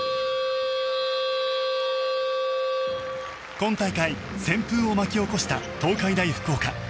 今大会、旋風を巻き起こした東海大福岡。